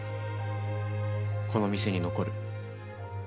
この店に残る。